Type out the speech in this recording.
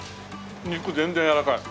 肉全然やわらかい。